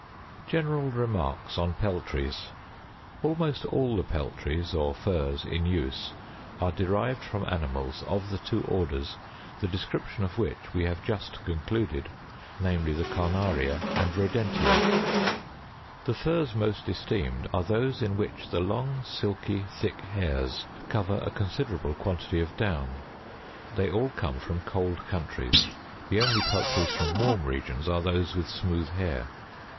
General Remarks on I'ellrics. 67. Almost all the peltries or furs in use, are derived from ani mals of the two orders the description of which we have just con cluded, namely: the Carnaria and Rodentia. 68. The furs most esteemed are those in which the long, silky, thick hairs cover a considerable quantity of down. They all come from cold countries ; the only peltries from warm regions are those with smooth hair.